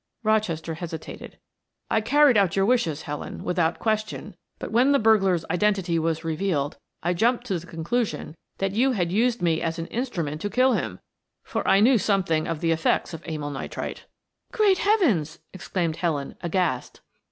Rochester hesitated. "I carried out your wishes, Helen, without question; but when the burglar's identity was revealed, I jumped to the conclusion that you had used me as an instrument to kill him, for I knew something of the effects of amyl nitrite." "Great Heavens!" exclaimed Helen, aghast.